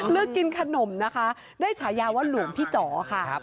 เลือกกินขนมนะคะได้ฉายาว่าหลวงพี่จ๋อค่ะ